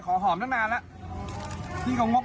บ้าเหรอในฐานะใครก็มาหอมกัน